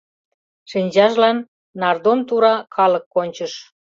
Шинчажлан нардом тура калык кончыш.